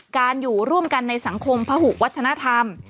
อยู่ร่วมกันในสังคมพหุวัฒนธรรม